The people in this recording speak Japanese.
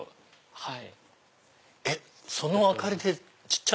はい。